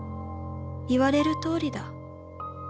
「言われるとおりだ」